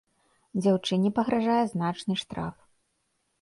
Дзяўчыне пагражае значны штраф.